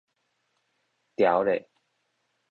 牢咧